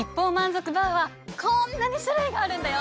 こんなに種類があるんだよ！